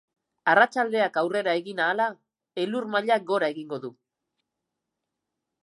Arratsaldeak aurrera egin ahala, elur-mailak gora egingo du.